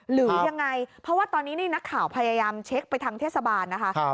หรือยังไงเพราะว่าตอนนี้นี่นักข่าวพยายามเช็คไปทางเทศบาลนะคะ